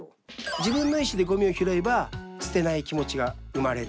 自分の意思でごみを拾えば捨てない気持ちが生まれる。